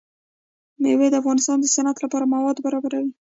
مېوې د افغانستان د صنعت لپاره مواد برابروي.